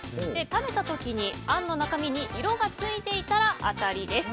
食べた時、あんの中身に色がついていたら当たりです。